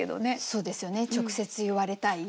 そうですよね直接言われたい？